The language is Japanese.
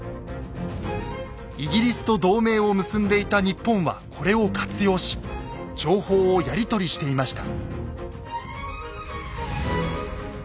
イギリスと同盟を結んでいた日本はこれを活用し情報をやり取りしていました。